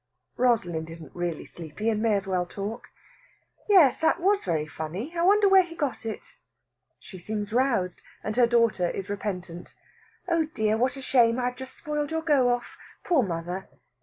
Rosalind isn't really sleepy, and may as well talk. "Yes, that was very funny. I wonder where he got it." She seems roused, and her daughter is repentant. "Oh dear! What a shame! I've just spoiled your go off. Poor mother!"